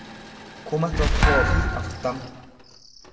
kuma tokkoo fi afurtama